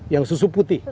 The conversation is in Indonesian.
yang susu putih